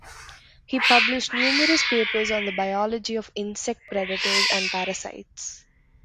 He published numerous papers on the biology of insect predators and parasites.